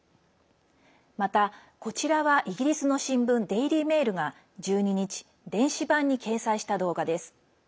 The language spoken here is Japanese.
また、こちらはイギリスの新聞デイリー・メールが１２日、電子版に掲載した動画です。